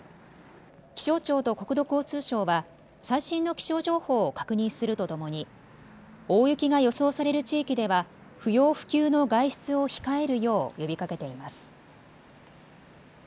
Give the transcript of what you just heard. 気象庁と国土交通省は最新の気象情報を確認するとともに大雪が予想される地域では不要不急の外出を控えるよう呼びかけています。